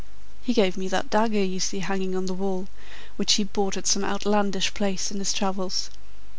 "He gave me that dagger you see hanging on the wall, which he bought at some outlandish place in his travels.